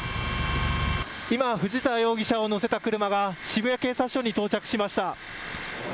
今、藤田容疑者を乗せた車が渋谷警察署に到着しました。